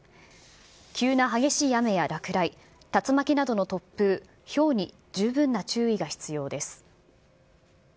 急な激しい雨や落雷、竜巻などの突風、ひょうに十分な注意が必要です。